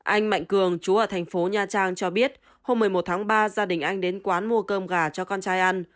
anh mạnh cường chú ở thành phố nha trang cho biết hôm một mươi một tháng ba gia đình anh đến quán mua cơm gà cho con trai ăn